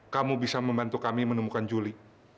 kamu bisa membantu kami menemukan juli